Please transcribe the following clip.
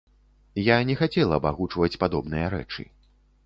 Я не хацела б агучваць падобныя рэчы.